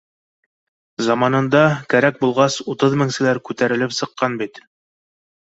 Заманында, кәрәк булғас, утыҙ меңселәр күтәрелеп сыҡ ҡан бит